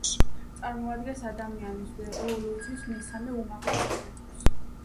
წარმოადგენს ადამიანის ევოლუციის მესამე, უმაღლეს საფეხურს.